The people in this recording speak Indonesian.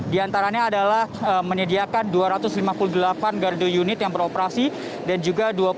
diantaranya adalah menyediakan dua ratus lima puluh delapan gardiunit yang beroperasi dan juga dua puluh satu titik rest area